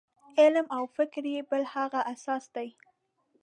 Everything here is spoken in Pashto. علم او فکر یې بل هغه اساس دی.